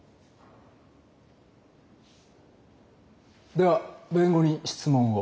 では弁護人質問を。